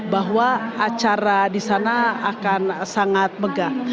bahwa acara di sana akan sangat megah